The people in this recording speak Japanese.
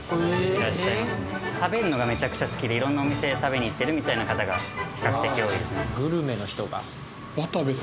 食べるのがめちゃくちゃ好きで色んなお店食べに行ってるみたいな方が比較的多いですね。